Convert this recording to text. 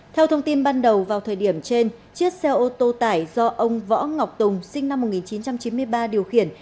theo thông tin ban đầu vào thời điểm trên chiếc xe ô tô tải do ông võ ngọc tùng sinh năm một nghìn chín trăm chín mươi ba điều khiển